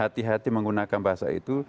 hati hati menggunakan bahasa itu